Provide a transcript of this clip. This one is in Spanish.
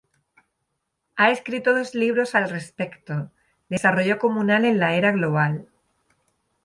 Ha escrito dos libros al respecto: "Desarrollo comunal en la era global.